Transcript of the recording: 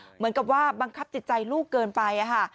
เหมือนกับว่าบังคับจิตใจลูกเกินไป